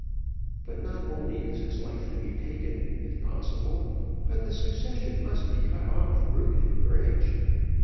But not only is his life to be taken, if possible, but the succession must be cut off root and branch.